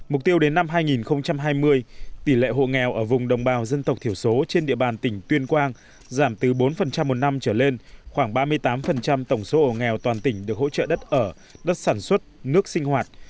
mục tiêu đến năm hai nghìn hai mươi tỷ lệ hộ nghèo ở vùng đồng bào dân tộc thiểu số trên địa bàn tỉnh tuyên quang giảm từ bốn một năm trở lên khoảng ba mươi tám tổng số hộ nghèo toàn tỉnh được hỗ trợ đất ở đất sản xuất nước sinh hoạt